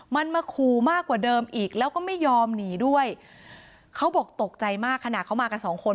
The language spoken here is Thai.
มันมาขู่มากกว่าเดิมอีกแล้วก็ไม่ยอมหนีด้วยเขาบอกตกใจมากขนาดเขามากันสองคน